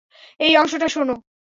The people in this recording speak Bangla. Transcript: এই অংশটা শোনো।